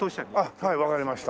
はいわかりました。